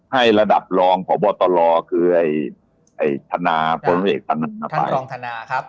ให้ระดับรองพบฤคือไอ้ทนาค้นลองทนาครับ